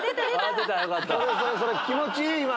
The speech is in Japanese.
気持ちいい！